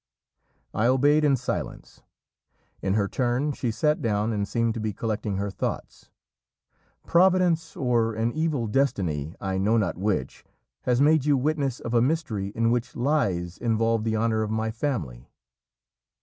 I obeyed in silence. In her turn she sat down and seemed to be collecting her thoughts. "Providence or an evil destiny, I know not which, has made you witness of a mystery in which lies involved the honour of my family."